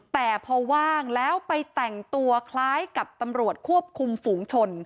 แต่พอว่างแล้วไปแต่งตัวคล้ายกับตำรวจควบคุมฝูงชน